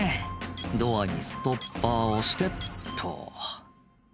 「ドアにストッパーをしてと」